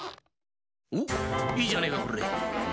おいいじゃねえかこれ。